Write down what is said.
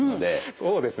そうですねはい。